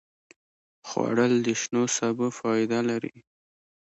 خوړل د شنو سبو فایده لري